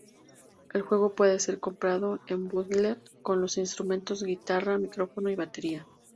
El juego puede ser comprado en bundle con los instrumentos guitarra, micrófono y batería.